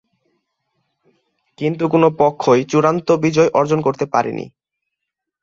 কিন্তু কোনো পক্ষই চূড়ান্ত বিজয় অর্জন করতে পারেনি।